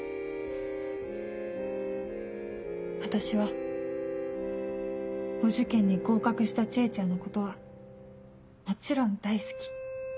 私はお受験に合格した知恵ちゃんのことはもちろん大好き。